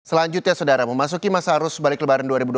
selanjutnya saudara memasuki masa arus balik lebaran dua ribu dua puluh